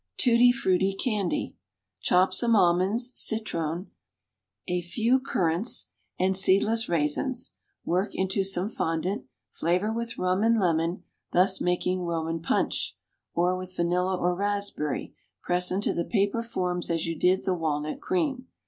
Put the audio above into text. TUTTI FRUTTI CANDY. Chop some almonds, citron, a few currants, and seedless raisins; work into some fondant, flavor with rum and lemon, thus making Roman punch, or with vanilla or raspberry; press into the paper forms as you did the walnut cream.